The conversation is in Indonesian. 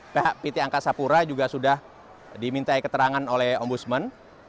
pihak pt angkasa pura juga sudah dimintai keterangan oleh ombudsman